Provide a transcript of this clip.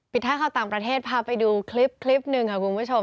ปิดท่าเข้าต่างประเทศพาไปดูคลิปนึงค่ะคุณผู้ชม